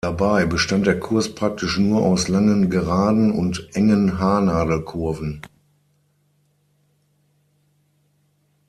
Dabei bestand der Kurs praktisch nur aus langen Geraden und engen Haarnadelkurven.